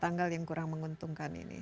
tanggal yang kurang menguntungkan ini